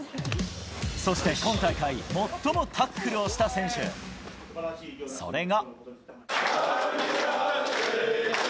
そして今大会、最もタックルをした選手、それが。